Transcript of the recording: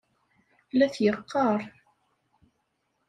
La t-yeqqaṛ.